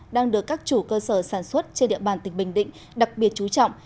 đang được các chủ cơ sở sản xuất trên địa bàn tỉnh bình định đặc biệt chú trọng